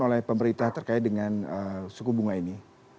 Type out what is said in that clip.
oleh pemerintah terkait dengan suku bunga ini